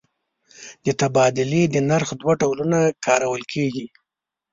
د تبادلې د نرخ دوه ډولونه کارول کېږي.